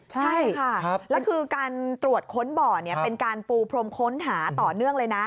ใช่ค่ะแล้วคือการตรวจค้นบ่อเป็นการปูพรมค้นหาต่อเนื่องเลยนะ